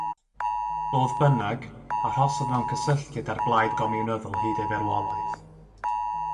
Fodd bynnag, arhosodd mewn cysylltiad â'r blaid gomiwnyddol hyd ei farwolaeth.